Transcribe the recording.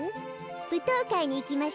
ぶとうかいにいきましょう。